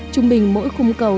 trung bình mỗi khung cầu